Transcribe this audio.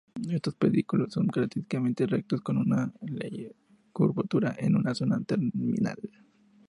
Estos pedicelos son característicamente rectos con una leve curvatura en su zona terminal.